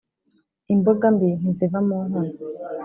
Imboga mbi ntiziva mu nkono